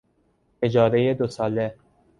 اجارهی دوساله